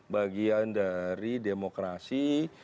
bagian dari demokrasi